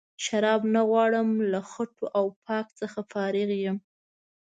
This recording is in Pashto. شراب نه غواړم له خټو او پاک څخه فارغ یم.